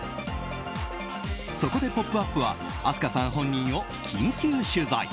そこで「ポップＵＰ！」は明日花さん本人を緊急取材。